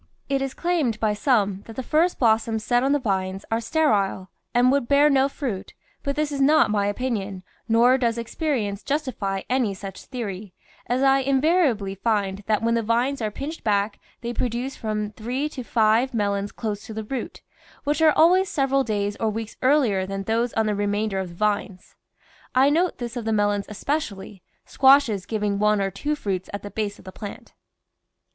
It is claimed by some that the first blossoms set on the vines are sterile and would bear no fruit, but this is not my opinion, nor does experience justify any such theorj^ as I invariably find that when the vines are pinched back they produce from three to five VINE VEGETABLES AND FRUITS melons close to the root, which are always several days or weeks earlier than those on the remainder of the vines. I note this of the melons especially, squashes giving one or two fruits at the base of the plant.